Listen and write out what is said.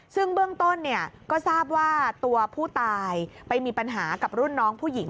ซึ่งเบื้องต้นเนี่ยก็ทราบว่าตัวผู้ตายไปมีปัญหากับรุ่นน้องผู้หญิง